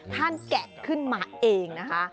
แกะขึ้นมาเองนะคะ